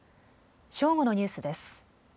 正午のニュースです。